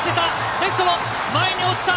レフト前に落ちた！